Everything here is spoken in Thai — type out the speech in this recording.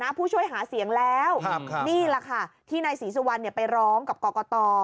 นี่แหละคะที่นายศรีสุวัณธ์ไปร้องกับก็ก็ต่อ